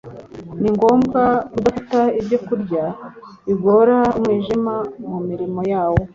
Ningombwa Kudafata ibyo kurya bigora umwijima mu mirimo yawo